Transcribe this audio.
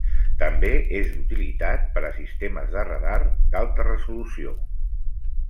També és d'utilitat per a sistemes de radar d'alta resolució.